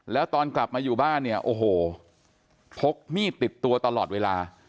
แล้วตอนกลับมาอยู่บ้านเนี่ยโอ้โหพกมีดติดตัวตลอดเวลา